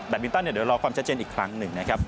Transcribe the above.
มินตันเดี๋ยวรอความชัดเจนอีกครั้งหนึ่งนะครับ